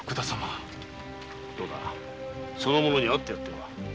どうだその者に会ってやっては？